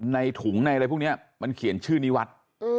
ในถุงในอะไรพวกนี้มันเขียนชื่อนิวัตร